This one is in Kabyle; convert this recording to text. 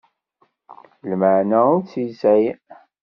Lmeεna ur tt-yesεi.